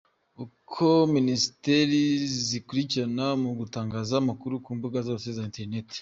Uko Minisiteri zikurikirana mu gutangaza amakuru ku mbuga zazo za ’interinete’